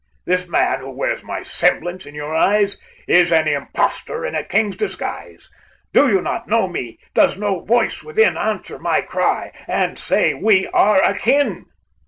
This man who wears my semblance in your eyes, Is an imposter in a king's disguise. Do you not know me? Does no voice within Answer my cry, and say we are akin?"